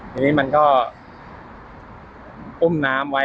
ทีนี้มันก็อุ้มน้ำไว้